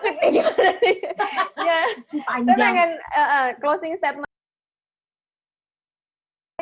saya pengen closing statement